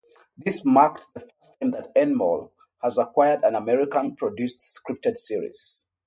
This marked the first time that Endemol has acquired an American-produced scripted series.